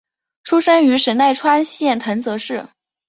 出身于神奈川县藤泽市。